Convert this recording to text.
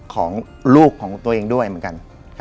ของลูกของตัวเองด้วยเหมือนกัน